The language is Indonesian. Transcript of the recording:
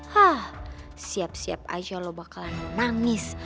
hah siap siap aja lo bakalan nangis